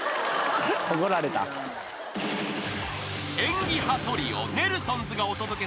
［演技派トリオネルソンズがお届けするコント